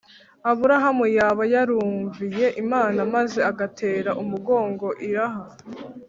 Aburahamu yaba yarumviye Imana maze agatera umugongo iraha